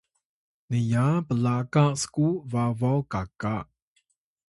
niya plaka sku babaw kaka